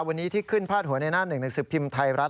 วันนี้ที่ขึ้นพาดหัวในหน้าหนึ่งหนังสือพิมพ์ไทยรัฐ